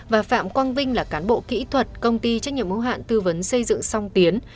và phạm quang vinh là cán bộ kỹ thuật công ty trách nhiệm mẫu hạn tư vấn xây dựng song tiến